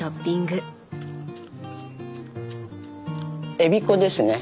えび粉ですね。